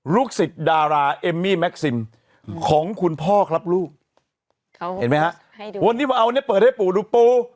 ศิษย์ดาราเอมมี่แม็กซิมของคุณพ่อครับลูกเขาเห็นไหมฮะวันนี้มาเอาเนี่ยเปิดให้ปู่ดูปู